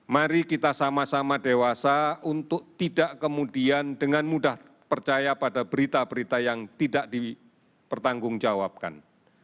mari kita sama sama dewasa untuk tidak kemudian dengan mudah percaya pada berita berita yang tidak dipertanggungjawabkan